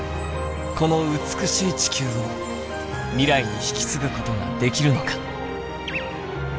この美しい地球を未来に引き継ぐことができるのか。